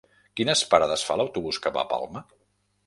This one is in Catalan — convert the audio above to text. Quines parades fa l'autobús que va a Palma?